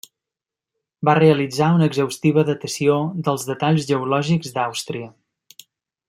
Va realitzar una exhaustiva datació, dels detalls geològics d'Àustria.